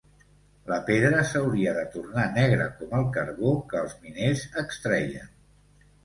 La pedra s'hauria de tornar negra com el carbó que els miners extreien.